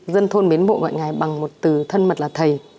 dân thôn biến bộ gọi ngài bằng một từ thân mật là thầy